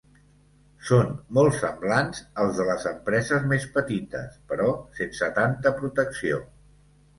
Són molt semblants als de les empreses més petites, però sense tanta protecció.